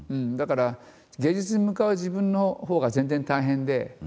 だから芸術に向かう自分のほうが全然大変で。